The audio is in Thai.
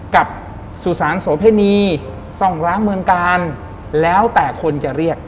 กับสุสานโสเพณีส่องล้างเมืองกาลแล้วแต่คนจะเรียก